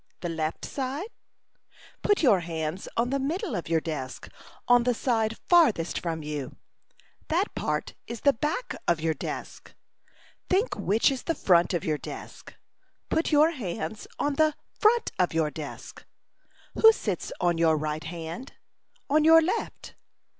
The left side? Put your hands on the middle of your desk on the side farthest from you. That part is the back of your desk. Think which is the front of your desk. Put your hands on the front of your desk. Who sits on your right hand? On your left?